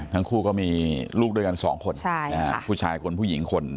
ทั้งคู่ก็มีลูกด้วยกันสองคนผู้ชายคนผู้หญิงคน